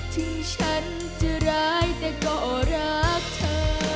ที่ฉันจะร้ายแต่ก็รักเธอ